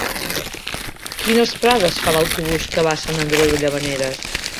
Quines parades fa l'autobús que va a Sant Andreu de Llavaneres?